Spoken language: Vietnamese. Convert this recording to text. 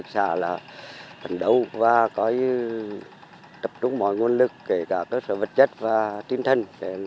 tập xã là phần đầu và có tập trung mọi nguồn lực kể cả cơ sở vật chất và tinh thần